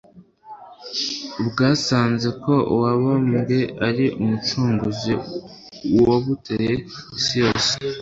bwasanze ko Uwabambwe ari Umucunguzi w'abatuye isi yose.